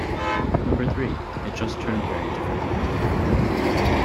Number three - it just turned very different.